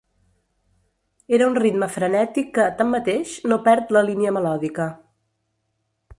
Era un ritme frenètic que, tanmateix, no perd la línia melòdica.